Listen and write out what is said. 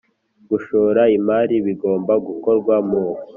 gushora imari bigomba gukorwa mu